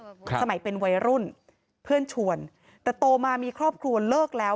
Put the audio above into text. สมัยเป็นวัยรุ่นเพื่อนชวนแต่โตมามีครอบครัวเลิกแล้ว